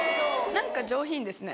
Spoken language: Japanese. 何か上品ですね。